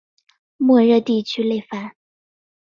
莫热地区勒潘。